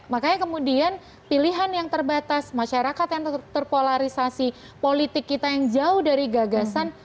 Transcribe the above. makanya kemudian pilihan yang terbatas masyarakat yang terpolarisasi politik kita yang jauh dari gagasan